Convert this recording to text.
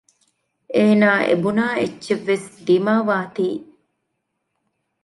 އޭނާ އެބުނާ އެއްޗެއް ވެސް ދިމާވާ ތީ